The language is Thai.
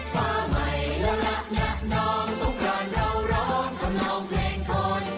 ฟ้าใหม่ละละหน้าน้องสงครานเราร้องทำน้องเพลงโทน